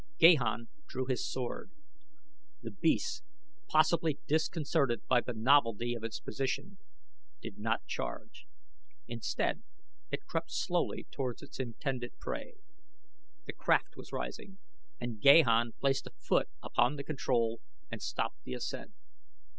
Gahan drew his sword. The beast, possibly disconcerted by the novelty of its position, did not charge. Instead it crept slowly toward its intended prey. The craft was rising and Gahan placed a foot upon the control and stopped the ascent.